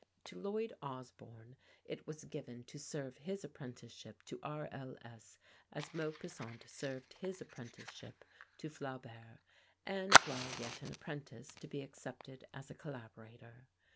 To Lloyd Osbourne it was given to serve his apprenticeship to R. L. S., as Maupassant served his apprenticeship to Flaubert, and, while yet an apprentice, to be accepted as a collaborator.